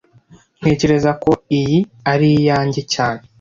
Ntekereza ko iyi ari iyanjye cyane